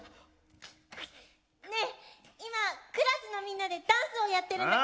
ねえ今クラスのみんなでダンスをやってるんだけ。